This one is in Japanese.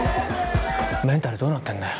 メンタルどうなってんだよ。